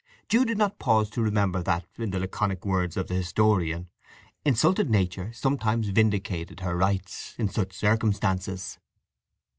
Jude did not pause to remember that, in the laconic words of the historian, "insulted Nature sometimes vindicated her rights" in such circumstances.